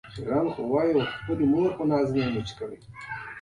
د سکس پر مهال د يو بل سترګو ته کتل مينه ډېروي.